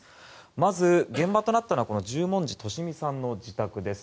まず、現場となったのは十文字利美さんの自宅です。